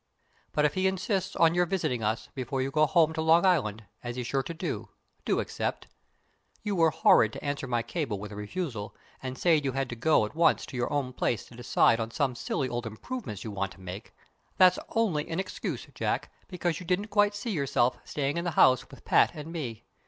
But if he insists on your visiting us, before you go home to Long Island, as he's sure to, do accept. You were horrid to answer my cable with a refusal, and say you had to go at once to your own place to decide on some silly old improvements you want to make. That's only an excuse, Jack, because you didn't quite see yourself staying in the house with Pat and me.